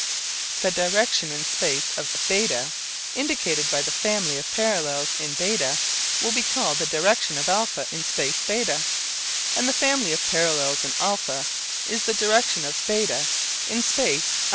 The direction in the space of β indicated by the family of parallels in β will be called the direction of α in space β, and the family of parallels in α is the direction of β in space α.